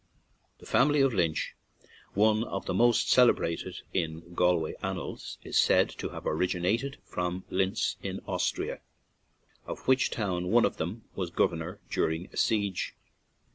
The family of Lynch, one of the most celebrated in Galway annals, is said to have originally come from Linz, in Austria, of which town one of them was governor during a siege.